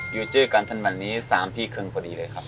อยู่ด้วยกันประมาณนี้๓พี่ครึ่งพอดีเลยครับ